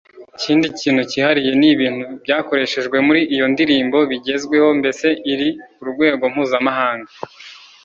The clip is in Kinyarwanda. ikindi kintu cyihariye ni ibintu byakoreshejwe muri iyo ndirimbo bigezweho mbese iri ku rwego mpuzamahanga